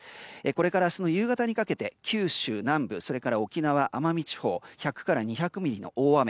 これから明日の夕方にかけて九州南部それから沖縄、奄美地方１００から２００ミリの大雨。